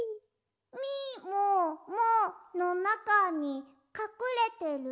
みもものなかにかくれてる？